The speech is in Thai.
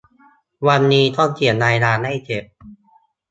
วันนี้ต้องเขียนรายงานให้เสร็จ